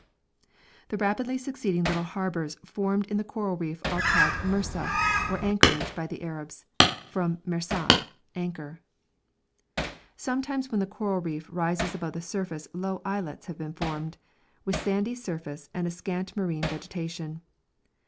The rapidly succeeding little harbours formed in the coral reef are called mersa, or anchorage, by the Arabs, from mersat, anchor. Sometimes when the coral reef rises above the surface low islets have been formed, with sandy surface and a scant marine vegetation.